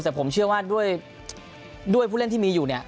แต่ผมเชื่อว่าด้วยผู้เล่นที่มีอยู่เนี่ย